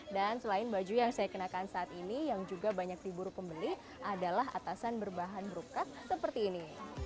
selain baju yang saya kenakan saat ini yang juga banyak diburu pembeli adalah atasan berbahan brukat seperti ini